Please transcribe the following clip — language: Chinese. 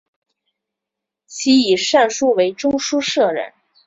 其以善书为中书舍人。